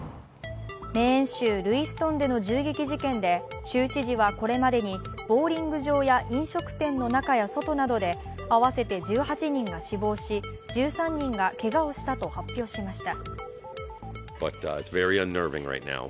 メーン州ルイストンでの銃撃事件で州知事はこれまでにボウリング場や飲食店の中や外など合わせて１８人が死亡し、１３人がけがをしたと発表しました。